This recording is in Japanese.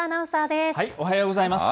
おはようございます。